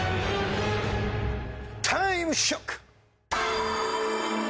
タイムショック！